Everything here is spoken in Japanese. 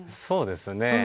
そうですね。